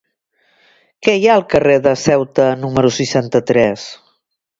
Què hi ha al carrer de Ceuta número seixanta-tres?